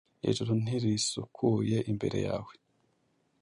Ijuru ntirisukuye imbere yawe.